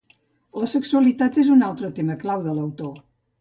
La sexualitat és un altre tema clau de l'autor.